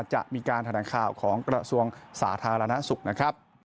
จะมีการทางดังข่าวของกระทรวงสาธารณสุข